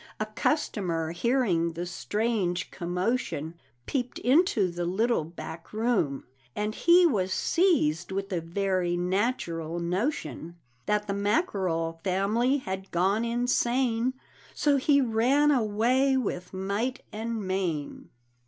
A customer hearing the strange commotion, Peeped into the little back room, and he Was seized with the very natural notion That the Mackerel family had gone insane; So he ran away with might and main.